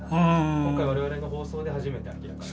今回我々の放送で初めて明らかに。